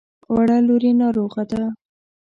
وړه لور يې ناروغه ده.